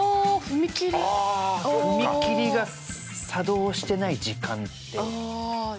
踏切が作動していない時間って。